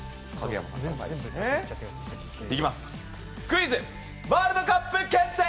クイズワールドカップ検定！